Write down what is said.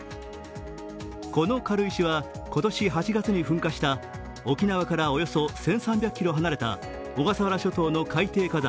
この軽石は今年８月に噴火した沖縄からおよそ１３００ｋｍ離れた小笠原諸島の海底火山